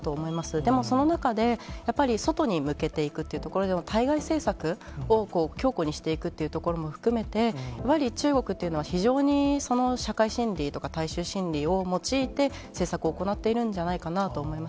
でも、その中で、やっぱり外に向けていくというところでは、対外政策を強固にしていくっていうところも含めて、やはり中国というのは、非常に社会心理とか、大衆心理を用いて、政策を行っているんじゃないかなと思います。